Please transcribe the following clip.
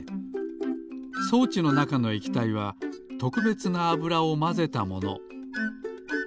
装置のなかの液体はとくべつなあぶらをまぜたもの。